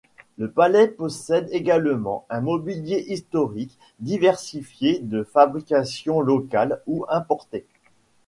Le palais possède également un mobilier historique diversifié de fabrication locale ou importé.